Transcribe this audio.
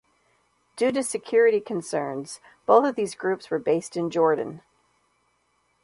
Due to security concerns, both of these groups were based in Jordan.